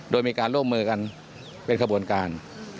โดยมีการร่วมมือกันเป็นขบวนการ